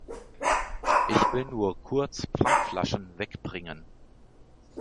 Ich will nur kurz Pfandflaschen weg bringen.